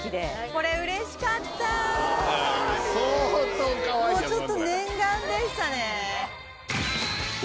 これちょっと念願でしたね。